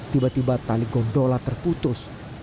tiba tiba tali gondola terputus